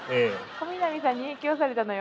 小南さんに影響されたのよ。